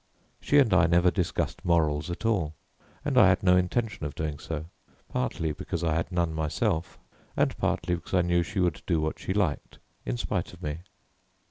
She and I never discussed morals at all, and I had no intention of doing so, partly because I had none myself, and partly because I knew she would do what she liked in spite of me.